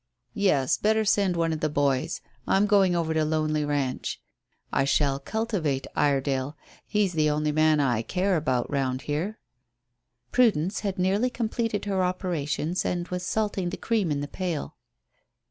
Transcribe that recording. "Yes, better send one of the boys. I'm going over to Lonely Ranch. I shall cultivate Iredale; he's the only man I care about round here." Prudence had nearly completed her operations and was salting the cream in the pail.